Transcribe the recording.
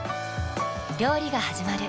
料理がはじまる。